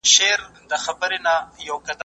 ملکیار هوتک د پښتو د لرغونې دورې شاعر دی.